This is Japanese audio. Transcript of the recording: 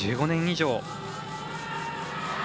１５年以上。